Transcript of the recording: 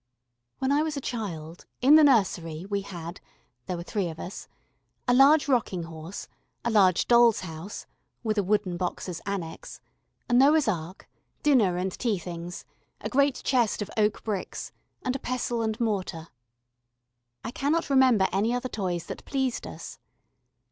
When I was a child in the nursery we had there were three of us a large rocking horse, a large doll's house (with a wooden box as annexe), a Noah's Ark, dinner and tea things, a great chest of oak bricks, and a pestle and mortar. I cannot remember any other toys that pleased us.